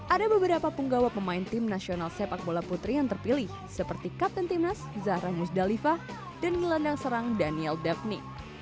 ada beberapa punggawa pemain tim nasional sepak bola putri yang terpilih seperti kapten timnas zahra musdalifah dan gelandang serang daniel daphne